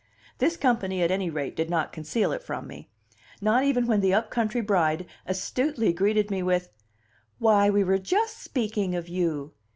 This company, at any rate, did not conceal it from me. Not even when the upcountry bride astutely greeted me with: "Why, we were just speaking of you!